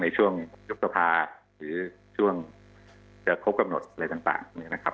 ในช่วงยกษภาหรือช่วงจะคบกำหนดอะไรต่างนะครับ